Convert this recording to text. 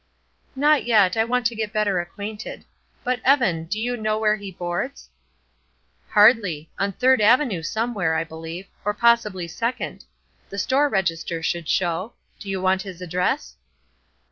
"Not yet; I want to get better acquainted. But, Evan, do you know where he boards?" "Hardly; on Third Avenue somewhere, I believe; or possibly Second. The store register would show. Do you want his address!"